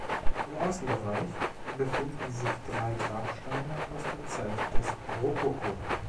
Im Außenbereich befinden sich drei Grabsteine aus der Zeit des Rokoko.